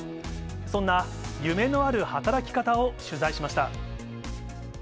そんな夢のある働き方を取材しました。